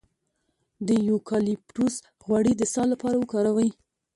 د یوکالیپټوس غوړي د ساه لپاره وکاروئ